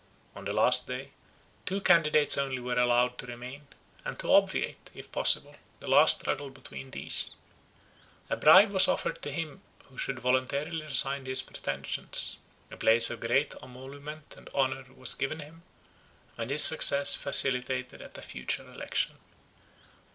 On the last day, two candidates only were allowed to remain; and to obviate, if possible, the last struggle between these, a bribe was offered to him who should voluntarily resign his pretensions; a place of great emolument and honour was given him, and his success facilitated at a future election.